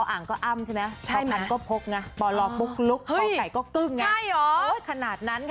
ออ่างก็อ้ำใช่ไหมพพานก็พกนะปลอลลอลปุ๊กลุ๊กปไก่ก็กึ่งไงโอ๊ยขนาดนั้นค่ะ